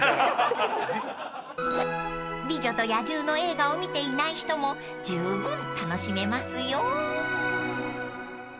［『美女と野獣』の映画を見ていない人もじゅうぶん楽しめますよ］